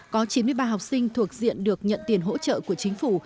có chín mươi ba học sinh thuộc diện được nhận tiền hỗ trợ của chính phủ